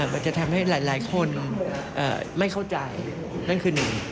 มันจะทำให้หลายคนไม่เข้าใจนั่นคือหนึ่ง